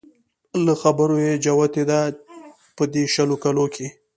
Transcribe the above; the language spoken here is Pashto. له خبرو يې جوتېده په د شلو کلو کې